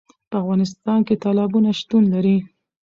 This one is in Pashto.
په افغانستان کې تالابونه شتون لري.